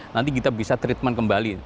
nanti kita bisa treatment kembali